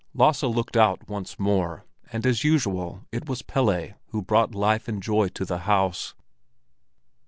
Lasse looked out once more, and as usual it was Pelle who brought life and joy to the house.